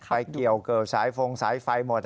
ไปเกี่ยวเกิดสายฟงสายไฟหมด